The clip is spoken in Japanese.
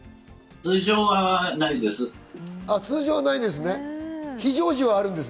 通常はないです。